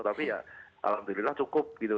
tapi ya alhamdulillah cukup gitu